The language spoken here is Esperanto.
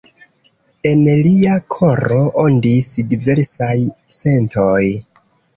En lia koro ondis diversaj sentoj.